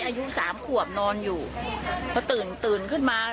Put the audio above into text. อายุสามขวบนอนอยู่พอตื่นตื่นขึ้นมา